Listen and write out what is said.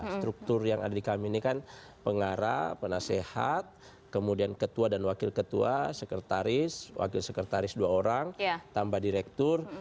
struktur yang ada di kami ini kan pengarah penasehat kemudian ketua dan wakil ketua sekretaris wakil sekretaris dua orang tambah direktur